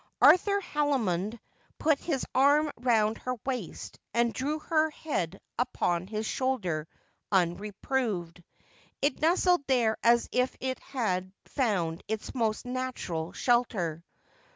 Arthur Haldimond put his arm round her waist and drew her head upon his shoulder unreproved. It nestled there as if it had found its most natural shelter.